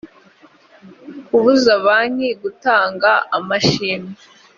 kubuza banki gutanga amashimwe